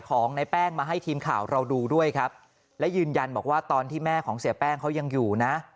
ของในแป้งมาให้ทีมข่าวเราดูด้วยครับและยืนยันบอกว่าตอนที่แม่ของเสียแป้งเขายังอยู่นะ